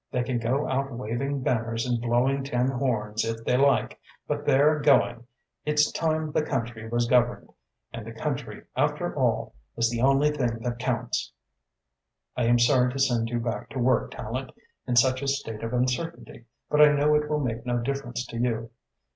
They can go out waving banners and blowing tin horns, if they like, but they're going. It's time the country was governed, and the country, after all, is the only thing that counts. I am sorry to send you back to work, Tallente, in such a state of uncertainty, but I know it will make no difference to you.